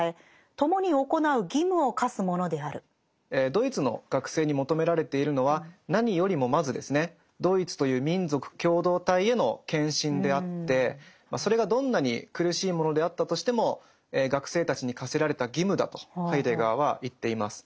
ドイツの学生に求められているのは何よりもまずですねドイツという民族共同体への献身であってそれがどんなに苦しいものであったとしても学生たちに課せられた義務だとハイデガーは言っています。